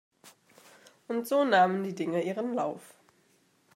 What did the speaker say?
Und so nahmen die Dinge ihren Lauf.